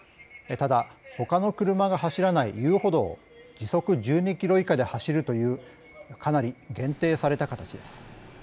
ただ、ほかの車が走らない遊歩道を時速１２キロ以下で走るというかなり限定された形です。